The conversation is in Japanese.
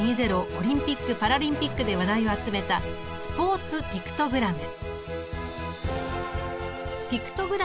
オリンピック・パラリンピックで話題を集めたスポーツピクトグラム。